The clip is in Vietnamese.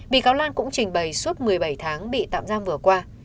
bị cáo lan cũng trình bày suốt một mươi bảy tháng bị tạm giam vừa qua